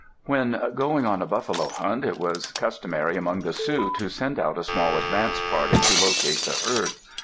[E] "When going on a buffalo hunt, it was customary among the Sioux to send out a small advance party to locate the herd.